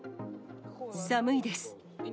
寒いです。